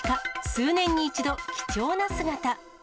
数年に一度、貴重な姿。